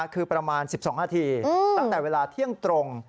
คือประมาณ๑๒นาทีตั้งแต่เวลาเที่ยงตรง